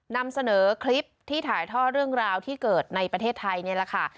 นำเสนอคลิปที่ถ่ายท่อเรื่องราวที่เกิดในประเทศไทยนี่แหละค่ะ